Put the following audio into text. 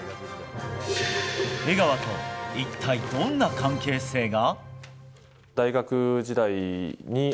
江川と一体どんな関係性が？